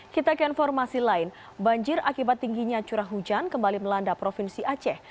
kita ke informasi lain banjir akibat tingginya curah hujan kembali melanda provinsi aceh